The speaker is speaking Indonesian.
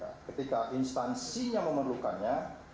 jadi kalau instansinya memerlukannya